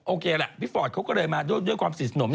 โอเคแหละพี่ฟอร์ตเขาก็เลยมาด้วยความสนิทสนม